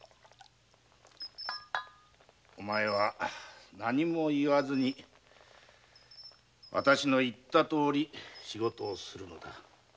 お前は何も言わずにわたしの言うとおりに仕事をするのだ。